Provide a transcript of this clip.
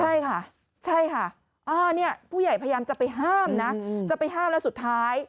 ใช่ค่ะใช่ค่ะเนี่ยผู้ใหญ่พยายามจะไปห้ามนะจะไปห้ามแล้วสุดท้าย